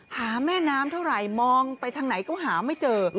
หาแม่น้ำเท่าไหร่มองไปทางไหนก็หาไม่เจอ